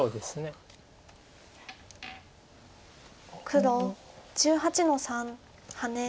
黒１８の三ハネ。